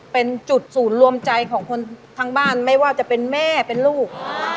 เป็นจุดศูนย์รวมใจของคนทั้งบ้านไม่ว่าจะเป็นแม่เป็นลูก